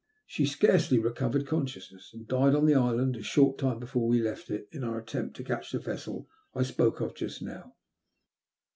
She scarcely recovered consciousness, and died on the island a short time before we left it in our attempt to catch the vessel I spoke of just now."